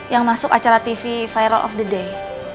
yang masuk acara tv viral of the day